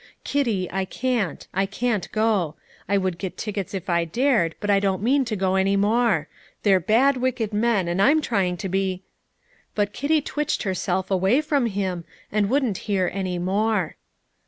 "Kitty, I can't; I can't go. I could get tickets if I dared, but I don't mean to go any more. They're bad, wicked men, and I'm trying to be" But Kitty twitched herself away from him, and wouldn't hear any more.